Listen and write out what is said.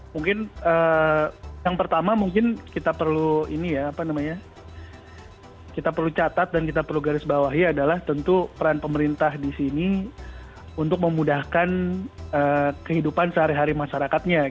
mungkin yang pertama mungkin kita perlu catat dan kita perlu garis bawahi adalah tentu peran pemerintah di sini untuk memudahkan kehidupan sehari hari masyarakatnya